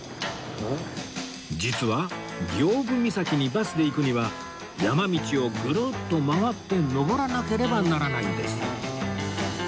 実は刑部岬にバスで行くには山道をぐるっと回って上らなければならないんです